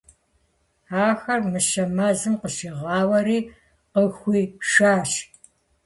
Ахэр мыщэм мэзым къыщигъауэри къыхуишащ.